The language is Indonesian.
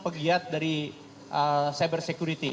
pegiat dari cyber security